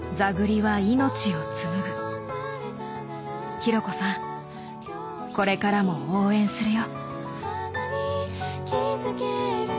紘子さんこれからも応援するよ。